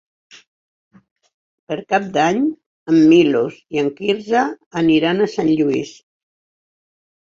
Per Cap d'Any en Milos i en Quirze aniran a Sant Lluís.